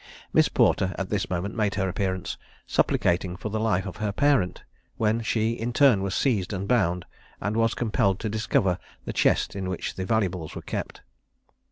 Miss Porter at this moment made her appearance, supplicating for the life of her parent, when she in turn was seized and bound, and was compelled to discover the chest in which the valuables were kept.